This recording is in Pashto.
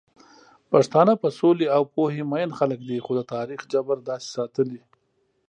پښتانه په سولې او پوهې مئين خلک دي، خو د تاريخ جبر داسې ساتلي